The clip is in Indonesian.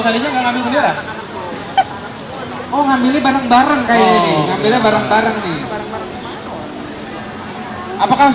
jadi yang menang nanti yang bisa ngambil bendera kumparan di garis finish